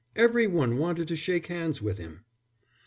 Every one wanted to shake hands with him."